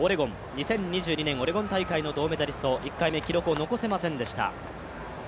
２０２２年の銅メダリスト１回目記録を残せませんでした。